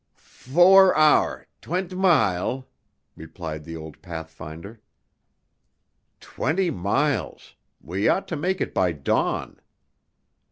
"Four hour twent' mile," replied the old pathfinder. "Twenty miles. We ought to make it by dawn."